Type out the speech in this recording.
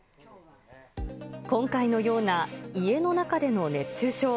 今回のような家の中での熱中症。